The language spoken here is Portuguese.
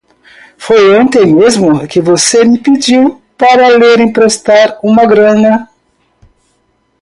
Foi ontem mesmo que você me pediu para lhe emprestar uma grana.